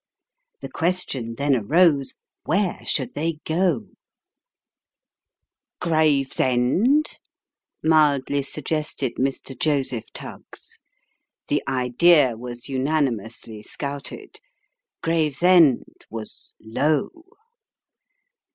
The question then arose, Where should they go ?" Gravesend ?" mildly suggested Mr. Joseph Tuggs. The idea was unanimously scouted. Gravesend was low.